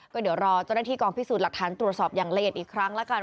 ก็เดี๋ยวรอเจ้าหน้าที่กองพิสูจน์หลักฐานตรวจสอบอย่างละเอียดอีกครั้งแล้วกัน